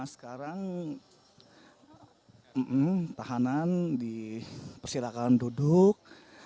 sekarang tahanan di persilakan duduk